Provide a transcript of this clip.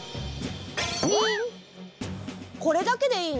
これだけでいいの？